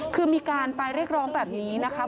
คือมีการไปเรียกร้องแบบนี้นะคะ